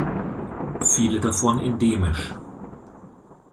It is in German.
Viele davon endemisch.